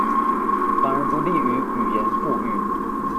反而不利於語言復育